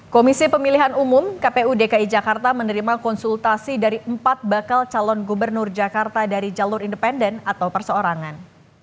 komisi pemilihan umum kpu dki jakarta menerima konsultasi dari empat bakal calon gubernur jakarta dari jalur independen atau perseorangan